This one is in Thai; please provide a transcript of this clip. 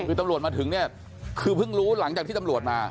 คือตำรวจมาถึงเนี่ยคือเพิ่งรู้หลังจากที่ตำรวจมา